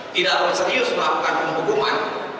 tidak serius melakukan penghubungan